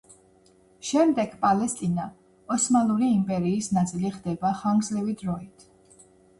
შემდეგ პალესტინა ოსმალური იმპერიის ნაწილი ხდება ხანგრძლივი დროით.